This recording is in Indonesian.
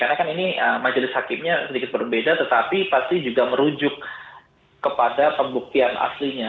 karena kan ini majelis hakimnya sedikit berbeda tetapi pasti juga merujuk kepada pembuktian aslinya